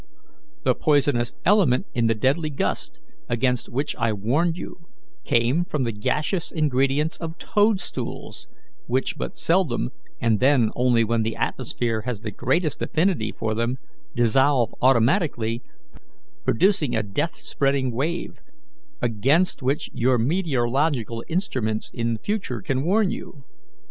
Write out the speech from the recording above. The poisonous element in the deadly gust, against which I warned you, came from the gaseous ingredients of toadstools, which but seldom, and then only when the atmosphere has the greatest affinity for them, dissolve automatically, producing a death spreading wave, against which your meteorological instruments in future can warn you.